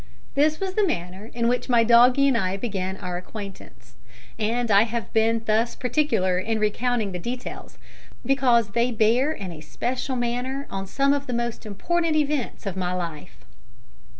This was the manner in which my doggie and I began our acquaintance, and I have been thus particular in recounting the details, because they bear in a special manner on some of the most important events of my life.